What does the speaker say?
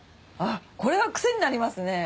これは癖になりますね。